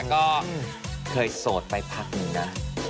ก็เคยโสดไปพักหนึ่งนะ